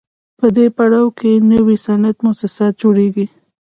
په دې پړاو کې نوي صنعتي موسسات جوړېږي